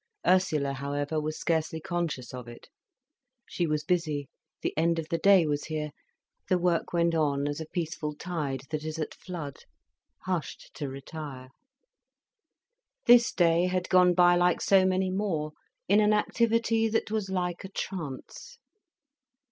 Ursula, however, was scarcely conscious of it. She was busy, the end of the day was here, the work went on as a peaceful tide that is at flood, hushed to retire. This day had gone by like so many more, in an activity that was like a trance.